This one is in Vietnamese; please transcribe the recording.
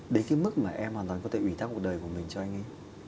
đến cái mức mà em hoàn toàn có thể ủi tác cuộc đời của mình cho anh ấy